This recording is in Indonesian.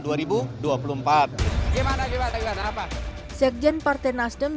jawa sepanjang partai nasdem